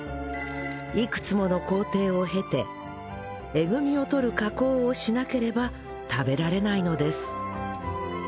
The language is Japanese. いくつもの工程を経てえぐみを取る加工をしなければ食べられないのです